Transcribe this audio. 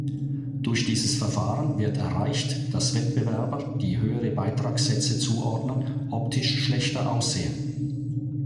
Durch dieses Verfahren wird erreicht, dass Wettbewerber, die höhere Beitragssätze zuordnen, optisch schlechter aussehen.